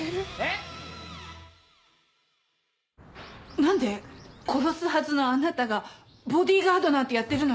何で殺すはずのあなたがボディーガードなんてやってるのよ？